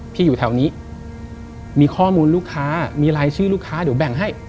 อยู่แถวนี้มีข้อมูลลูกค้ามีรายชื่อลูกค้าเดี๋ยวแบ่งให้